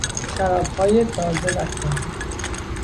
شرابهای تازه و کهنه